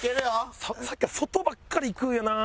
さっきから外ばっかりいくんやな。